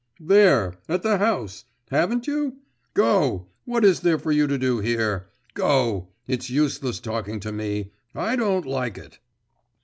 'There, at the house. Haven't you? Go! What is there for you to do here? Go! It's useless talking to me. I don't like it.